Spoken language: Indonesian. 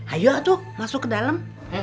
ayo tuh masuk ke dalam